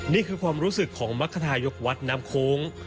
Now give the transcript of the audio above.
นี่คือความรู้สึกของมรรคทายกวัดน้ำโค้ง